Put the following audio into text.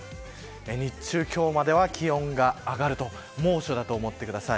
日中、今日までは気温が上がると猛暑だと思ってください。